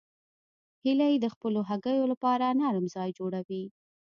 هیلۍ د خپلو هګیو لپاره نرم ځای جوړوي